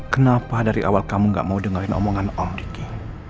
kenapa dari awal kamu gak mau dengerin omongan om riki